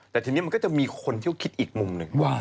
แต่ทีนี้มันก็จะมีคนที่เขาคิดอีกมุมหนึ่งว่า